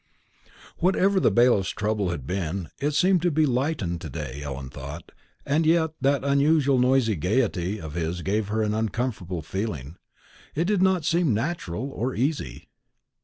Whatever the bailiff's trouble had been, it seemed to be lightened to day, Ellen thought; and yet that unusual noisy gaiety of his gave her an uncomfortable feeling: it did not seem natural or easy.